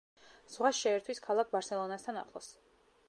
ზღვას შეერთვის ქალაქ ბარსელონასთან ახლოს.